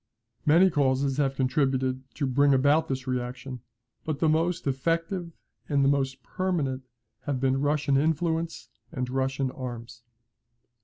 Many causes have contributed to bring about this reaction, but the most effective and the most permanent have been Russian influence and Russian arms.